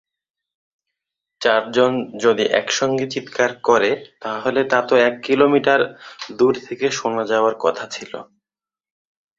চারজন যদি এক সঙ্গে চিৎকার করে তাহলে তা তো এক কিলোমিটার দূর থেকে শোনা যাওয়ার কথা ছিল।